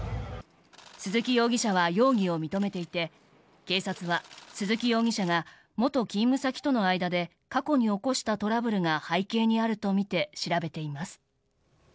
鈴木容疑者は容疑を認めていて警察は鈴木容疑者が元勤務先との間で過去に起こしたトラブルが背景にあるとみて調べています。